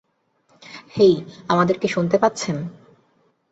হেই, আমাদেরকে শুনতে পাচ্ছেন?